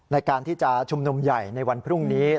ในการที่จะชุมนุมใหญ่ในวันพรุ่งนี้